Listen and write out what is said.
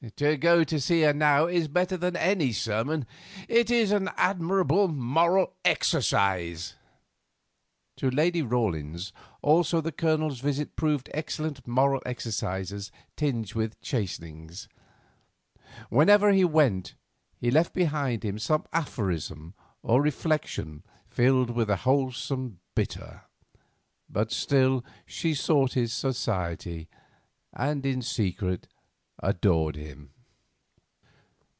To go to see her now is better than any sermon; it is an admirable moral exercise." To Lady Rawlins also the Colonel's visits proved excellent moral exercises tinged with chastenings. Whenever he went away he left behind him some aphorism or reflection filled with a wholesome bitter. But still she sought his society and, in secret, adored him.